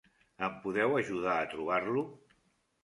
Em podeu ajudar a trobar-lo?